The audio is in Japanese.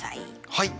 はい！